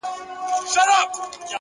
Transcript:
مهرباني د سختو زړونو یخ ماتوي.!